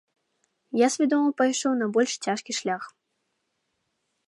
Я свядома пайшоў на больш цяжкі шлях.